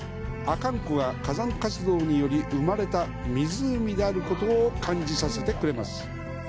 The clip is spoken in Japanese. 阿寒湖が、火山活動により生まれた湖であることを感じさせてくれます。